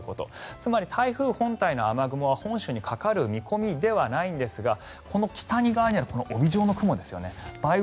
つまり、台風本体の雨雲は本州にかかる見込みではないんですがこの北側にある帯状の雲梅雨